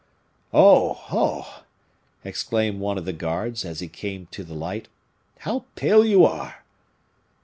"Oh! oh!" exclaimed one of the guards, as he came to the light, "how pale you are!"